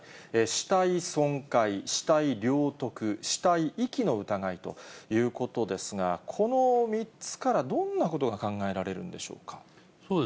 死体損壊、死体領得、死体遺棄の疑いということですが、この３つからどんなことが考えられるんでしょうか。